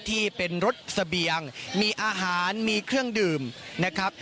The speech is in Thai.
ที่เป็นรถเสบียงมีอาหารมีเครื่องดื่มนะครับ